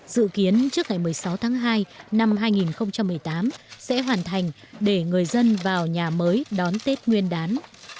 dự kiến trước ngày một mươi sáu tháng hai năm hai nghìn một mươi tám sẽ hoàn thành để người dân vào nhà mới đón tết nguyên đán